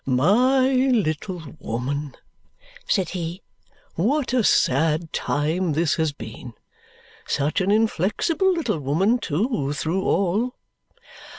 "My little woman," said he, "what a sad time this has been. Such an inflexible little woman, too, through all!"